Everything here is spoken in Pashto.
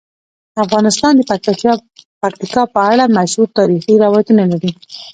افغانستان د پکتیکا په اړه مشهور تاریخی روایتونه لري.